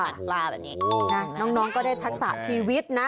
ใช่น้องน้องก็ได้ทักษะชีวิตนะ